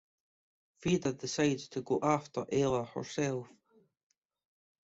Frieda decides to go after Ella herself.